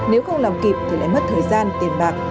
nếu không làm kịp thì lại mất thời gian tiền bạc